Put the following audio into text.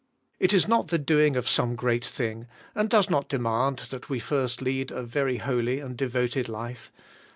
It is not the doing of some great thing, and does not demand that we first lead a very holy and devoted life.